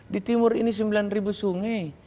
di timur ini sembilan ribu sungai